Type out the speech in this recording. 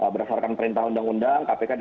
sedang menjalankan tugasnya masing masing